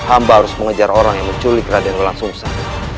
amba harus mengejar orang yang menculik raden langsung saja